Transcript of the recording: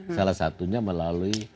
salah satunya melalui